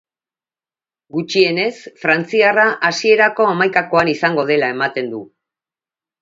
Gutxienez, frantziarra hasierako hamaikakoan izango dela ematen du.